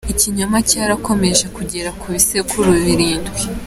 Ikinyoma cyarakomeje kugera ku bisekuru birindwi.